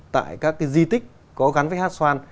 tại các di tích gắn với hát xoan